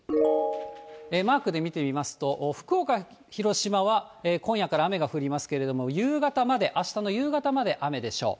マークで見てみますと、福岡、広島は今夜から雨が降りますけれども、夕方まで、あしたの夕方まで雨でしょう。